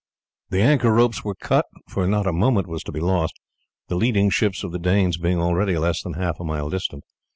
The anchor ropes were cut, for not a moment was to be lost, the leading ships of the Danes being already less than half a mile distant.